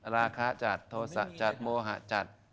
ราคาจัดโทษะจัดโมหะจัด